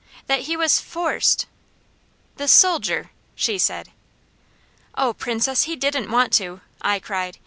That he was FORCED " "The soldier!" she said. "Oh Princess, he didn't want to!" I cried.